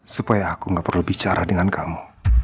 supaya aku gak perlu bicara dengan kamu